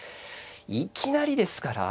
いきなりですから。